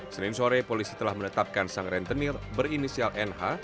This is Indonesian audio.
senin sore polisi telah menetapkan sang rentenir berinisial nh